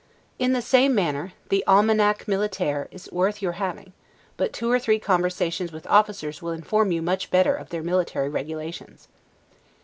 In the same manner, the 'Almanack Militaire' is worth your having; but two or three conversations with officers will inform you much better of their military regulations.